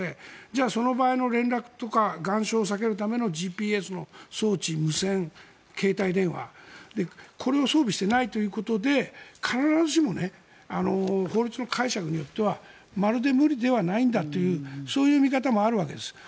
じゃあその場合の連絡とか岩礁を避けるためのＧＰＳの装置無線、携帯電話これを装備していないということで必ずしも法律の解釈によってはまるで無理ではないんだというそういう見方もあるわけです。